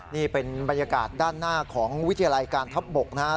นี่เป็นบรรยากาศด้านหน้าของวิทยาลัยการทัพบกนะครับ